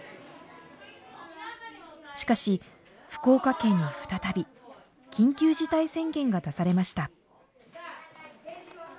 しかし福岡県に再び緊急事態宣言が出されました。